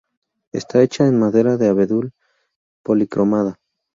Está hecha en madera de abedul policromada.